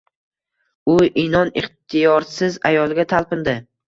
U inon-ixtiyorsiz ayolga talpindi